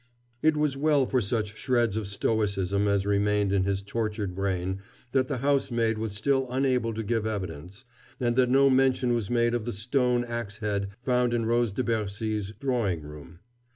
It was well for such shreds of stoicism as remained in his tortured brain that the housemaid was still unable to give evidence, and that no mention was made of the stone ax head found in Rose de Bercy's drawing room.